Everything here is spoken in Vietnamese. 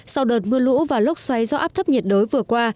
sau đợt mưa lũ và lốc xoáy do áp thấp nhiệt đới vừa qua